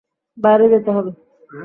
বাইরে যেতে হবে।